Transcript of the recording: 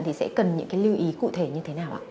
thì sẽ cần những cái lưu ý cụ thể như thế nào ạ